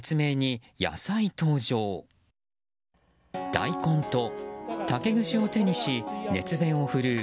大根と竹串を手にし熱弁を振るう